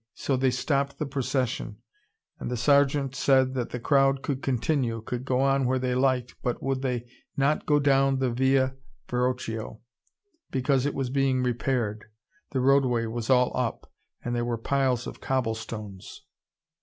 So they stopped the procession, and the sergeant said that the crowd could continue, could go on where they liked, but would they not go down the Via Verrocchio, because it was being repaired, the roadway was all up, and there were piles of cobble stones.